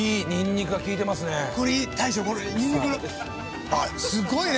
すごいね。